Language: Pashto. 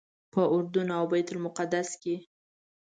په اردن او بیت المقدس کې.